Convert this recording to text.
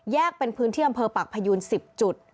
เป็นพื้นที่อำเภอปากพยูน๑๐จุด